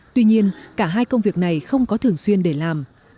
tuy nhiên cả hai công việc này không có thường xuyên để làm